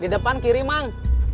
di depan kiri mang